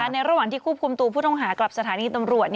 ในระหว่างที่ควบคุมตัวผู้ต้องหากลับสถานีตำรวจ